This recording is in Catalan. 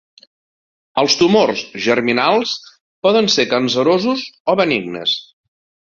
Els tumors germinals poden ser cancerosos o benignes.